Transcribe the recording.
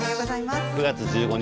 ９月１５日